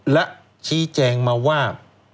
และชี้แจงมาว่า